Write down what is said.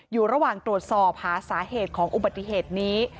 อยู่ระหว่างตรวจสอบหาสาเหตุของอุบัติเหตุนี้